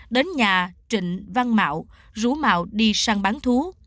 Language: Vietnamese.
đến nhà trịnh văn mạo rú mạo đi săn bắn thú